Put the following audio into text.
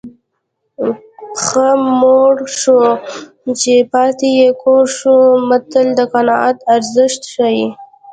پښ موړ شو چې پاته یې کور شو متل د قناعت ارزښت ښيي